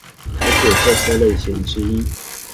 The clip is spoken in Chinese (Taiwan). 台鐵客車類型之一